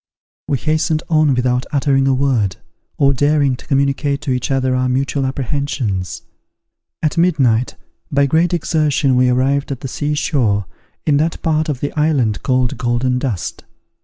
We hastened on without uttering a word, or daring to communicate to each other our mutual apprehensions. At midnight, by great exertion, we arrived at the sea shore, in that part of the island called Golden Dust.